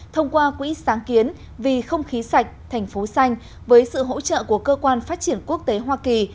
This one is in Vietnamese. thông qua quỹ sáng kiến vì không khí sạch thành phố xanh với sự hỗ trợ của cơ quan phát triển quốc tế hoa kỳ